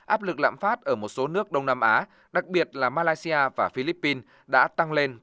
áp lực lạm phát ở một số nước đông nam á đặc biệt là malaysia và philippines đã tăng lên